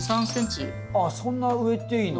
あっそんな植えていいの？